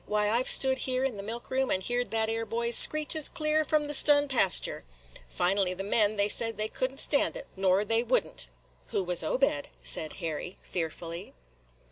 Why, I 've stood here in the milk room and heerd that 'ere boy's screeches clear from the stun pastur' .Finally the men, they said they could n't stan' it, nor they would n't." "Who was Obed?" said Harry, fearfully.